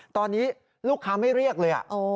ตอนนี้ลูกค้าไม่เรียกเลย